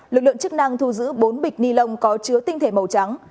lực lượng chức năng thu giữ bốn bịch nilon có chứa tinh thể màu trắng